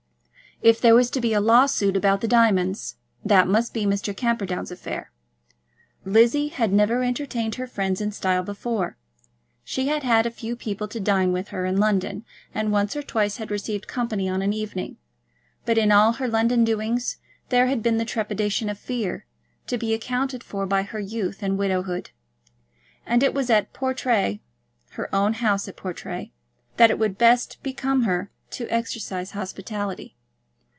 If there was to be a lawsuit about the diamonds, that must be Mr. Camperdown's affair. Lizzie had never entertained her friends in style before. She had had a few people to dine with her in London, and once or twice had received company on an evening. But in all her London doings there had been the trepidation of fear, to be accounted for by her youth and widowhood; and it was at Portray, her own house at Portray, that it would best become her to exercise hospitality.